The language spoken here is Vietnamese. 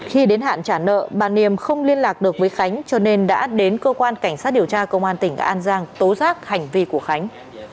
khi đến hạn trả nợ bà niềm không liên lạc được với khánh cho nên đã đến cơ quan cảnh sát điều tra công an tỉnh an giang tố giác hành vi của khánh